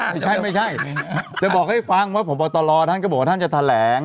ไม่ใช่ไม่ใช่จะบอกให้ฟังว่าพบตรท่านก็บอกว่าท่านจะแถลง